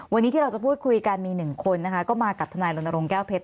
วันนี้ที่เราจะพูดคุยกันมีหนึ่งคนนะคะก็มากับทนายรณรงค์แก้วเพชร